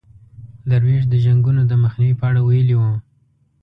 درویش د جنګونو د مخنیوي په اړه ویلي وو.